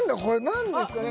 何ですかね